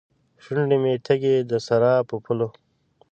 شونډې مې تږې ، دسراب په پولو